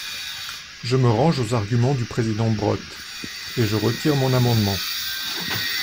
Je me range aux arguments du président Brottes, et je retire mon amendement.